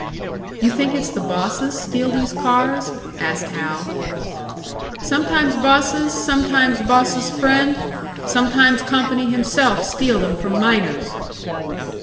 "You think it's the bosses steal these cars?" asked Hal. "Sometimes bosses, sometimes bosses' friend sometimes company himself steal them from miners."